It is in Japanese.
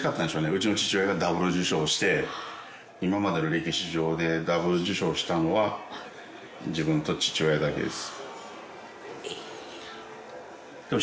うちの父親がダブル受賞して今までの歴史上でダブル受賞したのは自分と父親だけです